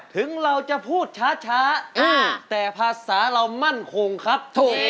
ถึงเราจะพูดช้าแต่ภาษาเรามั่นคงครับ